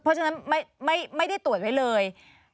เพราะฉะนั้นไม่ได้ตรวจไว้เลย